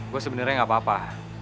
gue sebenarnya gak apa apa